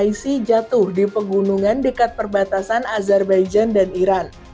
ditumpangi oleh raisi jatuh di pegunungan dekat perbatasan azerbaijan dan iran